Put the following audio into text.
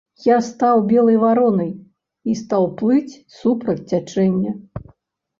Я стаў белай варонай і стаў плыць супраць цячэння.